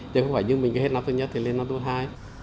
chứ không phải như mình cái hết năm thứ nhất thì lên năm thứ hai